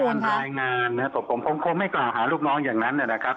เป็นการท้ายงานผมไม่กลัวหาลูกน้องอย่างนั้นนะครับ